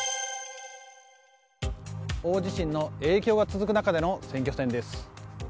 大地震の影響が続く中での選挙戦です。